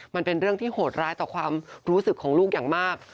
มันเป็นเรื่องที่โหดร้ายต่อความรู้สึกของลูกอย่างมาก